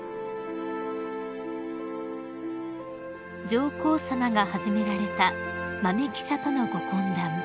［上皇さまが始められた豆記者とのご懇談］